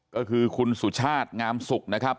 ก็คือคุณสุชาติงามสุขนะครับ